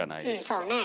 そうね。